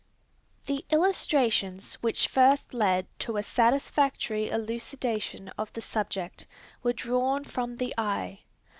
The illustrations which first led to a satisfactory elucidation of the subject, were drawn from the eye.